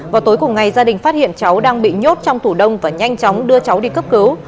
vào tối cùng ngày gia đình phát hiện cháu đang bị nhốt trong tủ đông và nhanh chóng đưa cháu đi cấp cứu